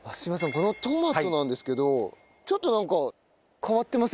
このトマトなんですけどちょっとなんか変わってませんか？